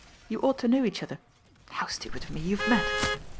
You ought to know each other. How stupid of me, you've met."